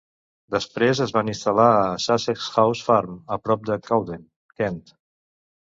Després es van instal·lar a Sussex House Farm a prop de Cowden, Kent.